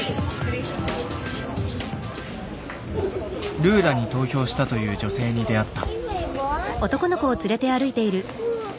ルーラに投票したという女性に出会った。